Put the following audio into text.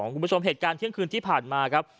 คุณผู้ชมเหตุการณ์เที่ยงคืนที่ผ่านมาครับ